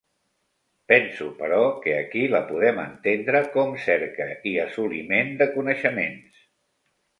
Penso però que aquí la podem entendre com cerca i assoliment de coneixements.